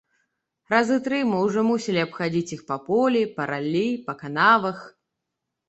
Разы тры мы ўжо мусілі абхадзіць іх па полі, па раллі, па канавах.